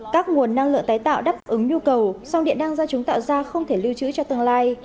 các nguồn năng lượng tái tạo đáp ứng nhu cầu song điện năng do chúng tạo ra không thể lưu trữ cho tương lai